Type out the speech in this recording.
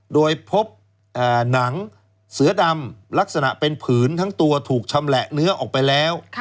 โดยพบหนังเสือดำลักษณะเป็นผืนทั้งตัวถูกชำแหละเนื้อออกไปแล้ว